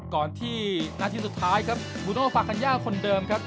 ก่อนที่นาทีสุดท้ายครับบูโนฟากัญญาคนเดิมครับ